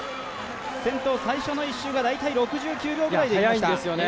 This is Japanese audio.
先頭、最初の１周が大体６９秒ぐらいできました。